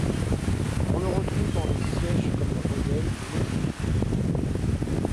On le retrouve dans des sièges comme la voyelle et le Prie-Dieu.